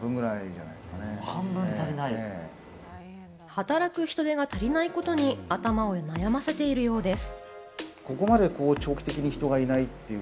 働く人手が足りないことに頭を悩ませているようです。